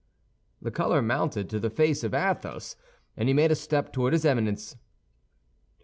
The color mounted to the face of Athos, and he made a step toward his Eminence.